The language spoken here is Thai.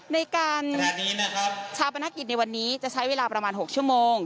ในการชาปนกิจในวันนี้จะใช้เวลาประมาณ๖ชั่วโมง